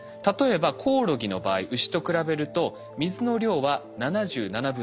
例えばコオロギの場合牛と比べると水の量は７７分の１。